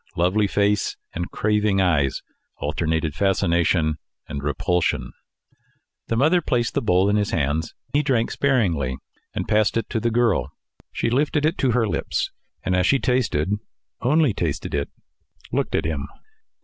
Lovely face and craving eyes alternated fascination and repulsion. The mother placed the bowl in his hands. He drank sparingly, and passed it to the girl. She lifted it to her lips, and as she tasted only tasted it looked at him.